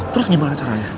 terus gimana caranya